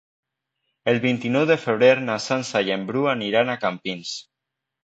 El vint-i-nou de febrer na Sança i en Bru aniran a Campins.